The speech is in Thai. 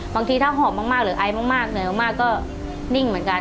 บางทีถ้าหอมมากหรือไอมากเหนื่อยมากก็นิ่งเหมือนกัน